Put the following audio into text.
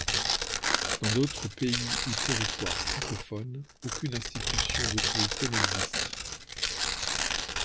Dans d'autres pays ou territoires francophones, aucune institution d'autorité n'existe.